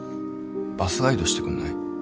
バスガイドしてくんない？